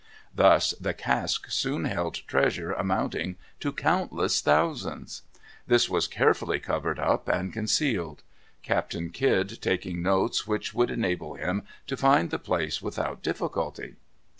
Thus the cask soon held treasure amounting to countless thousands. This was carefully covered up and concealed, Captain Kidd taking notes which would enable him to find the place without difficulty!